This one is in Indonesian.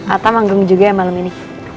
ata manggung juga ya malem ini